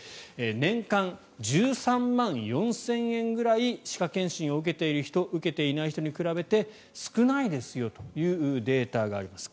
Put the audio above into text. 年間１３万４０００円くらい歯科検診を受けている人受けていない人に比べて少ないですよというデータがあります。